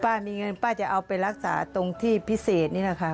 มีเงินป้าจะเอาไปรักษาตรงที่พิเศษนี่แหละค่ะ